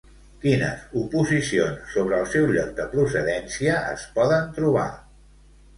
Quines oposicions sobre el seu lloc de procedència es poden trobar?